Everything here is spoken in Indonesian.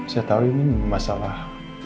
saya tahu ini masalah